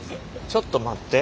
ちょっと待って。